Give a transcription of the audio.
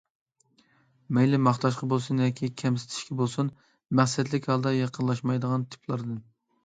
مەيلى ماختاشقا بولسۇن ياكى كەمسىتىشكە بولسۇن، مەقسەتلىك ھالدا يېقىنلاشمايدىغان تىپلاردىن.